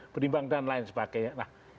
berimbang dan lain sebagainya